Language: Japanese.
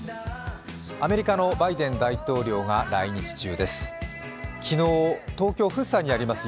アメリカのバイデン大統領が来日中です。